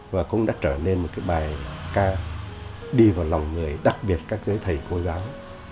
và cũng đã trở nên một cái bài ca đi vào lòng người đặc biệt các giới thầy cô giáo